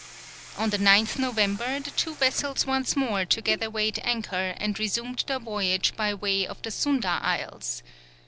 On the 9th February, the two vessels once more together weighed anchor, and resumed their voyage by way of the Sunda Isles.